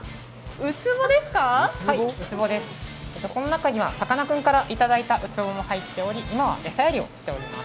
ウツボです、この中にはさかなクンからいただいたものも入っており、今は餌やりをしております。